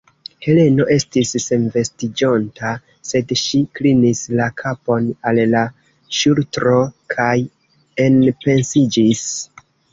Heleno estis senvestiĝonta, sed ŝi klinis la kapon al la ŝultro kaj enpensiĝis.